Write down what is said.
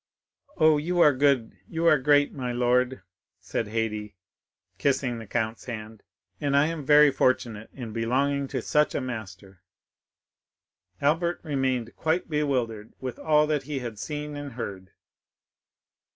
"Oh, you are good, you are great, my lord!" said Haydée, kissing the count's hand, "and I am very fortunate in belonging to such a master!" Albert remained quite bewildered with all that he had seen and heard.